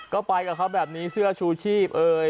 ก็ไปกับเขาแบบนี้เสื้อชูชีพเอ่ย